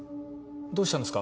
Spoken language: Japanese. どうしたんですか？